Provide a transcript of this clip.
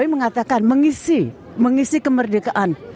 mengatakan mengisi mengisi kemerdekaan